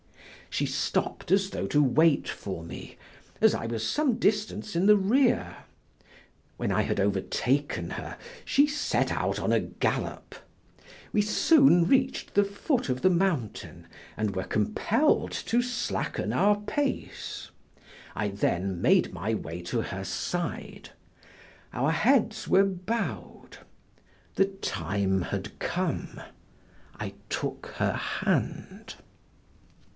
She stopped as though to wait for me, as I was some distance in the rear; when I had overtaken her, she set out on a gallop. We soon reached the foot of the mountain and were compelled to slacken our pace. I then made my way to her side; our heads were bowed; the time had come, I took her hand.